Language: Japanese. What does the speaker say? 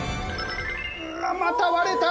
また割れた！